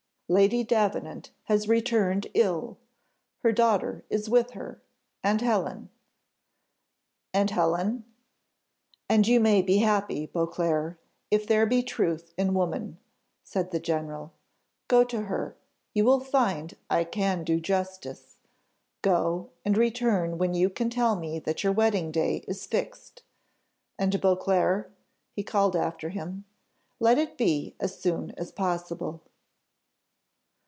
"Lady Davenant has returned ill; her daughter is with her, and Helen " "And Helen " "And you may be happy, Beauclerc, if there be truth in woman," said the general. "Go to her you will find I can do justice. Go, and return when you can tell me that your wedding day is fixed. And, Beauclerc," he called after him, "let it be as soon as possible."